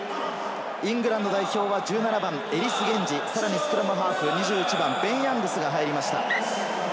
イングランド代表は１７番、エリス・ゲンジ、スクラムハーフ２１番、ベン・ヤングスが入りました。